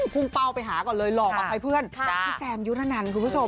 พุ่งเป้าไปหาก่อนเลยหล่อมาให้เพื่อนพี่แซมยุรนันคุณผู้ชม